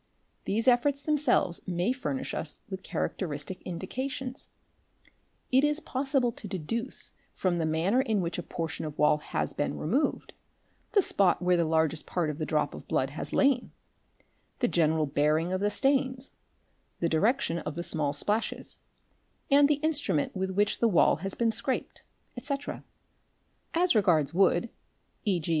These efforts themselves may furnish us with characteristic indications: it is possible to deduce from the manner in which a portion of wall has been removed, the spot — where the largest part of the drop of blood has lain, the general bearing of the stains, the direction of the small splashes, and the instrument with which the wall has been scraped, etc. As regards wood, ¢.g.